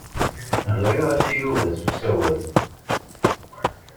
Ɣriɣ-as i Yuba s usawal.